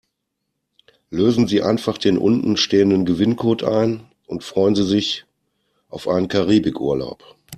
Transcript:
Lösen Sie einfach den unten stehenden Gewinncode ein und freuen Sie sich auf einen Karibikurlaub.